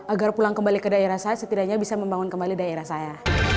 agar pulang kembali ke daerah saya setidaknya bisa membangun kembali daerah saya